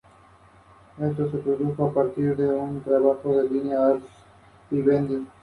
Su pico es corto y negro y sus patas grisáceas.